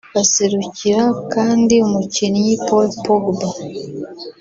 aserukira kandi umukinyi Paul Pogba